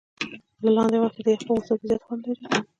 د لاندي غوښي د یخ په موسم کي زیات خوند لري.